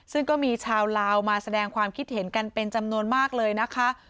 ซึ่งก็มีชาวลาวมาแสดงความคิดเห็นกันเป็นจำนวนมากเลยนะคะ